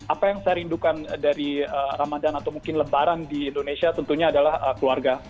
apa yang saya rindukan dari ramadan atau mungkin lebaran di indonesia tentunya adalah keluarga